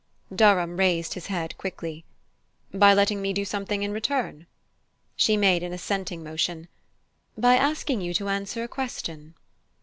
Durham raised his head quickly. "By letting me do something in return?" She made an assenting motion. "By asking you to answer a question."